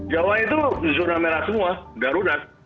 jawa itu zona merah semua darurat